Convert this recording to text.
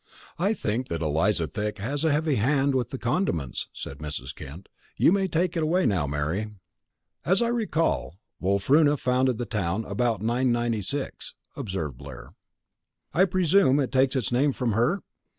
"I think that Eliza Thick has a heavy hand with the condiments," said Mrs. Kent. "You may take it away now, Mary." "As I recall, Wulfruna founded the town about 996," observed Blair. "I presume it takes its name from her?"